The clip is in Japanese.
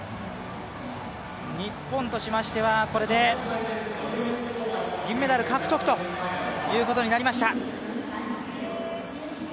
日本としましては、これで銀メダル獲得となりました。